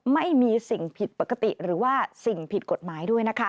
ไม่มีสิ่งผิดปกติหรือว่าสิ่งผิดกฎหมายด้วยนะคะ